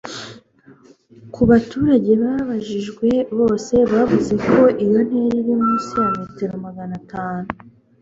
Ku baturage babajijwe bose bavuze ko iyo ntera iri munsi ya metero magana atanu